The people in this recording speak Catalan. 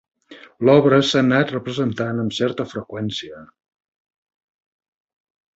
L'obra s'ha anat representant amb certa freqüència.